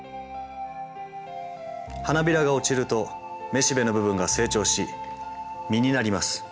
花びらが落ちるとめしべの部分が成長し実になります。